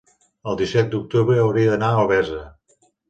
el disset d'octubre hauria d'anar a Albesa.